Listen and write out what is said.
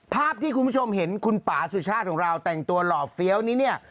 ภาพที่คุณผู้ชมเห็นคุณป่าสุชาติของเราแต่งตัวหล่อเฟี้ยวนี้เนี่ย